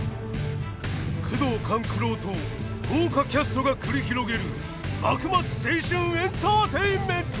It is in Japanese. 宮藤官九郎と豪華キャストが繰り広げる幕末青春エンターテインメント！